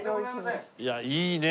いやいいね。